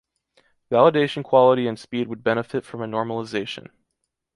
Validation quality and speed would benefit from a normalization.